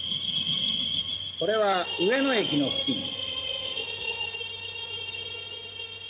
これは上野駅の付近。